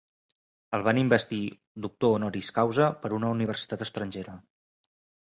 El van investir doctor honoris causa per una universitat estrangera.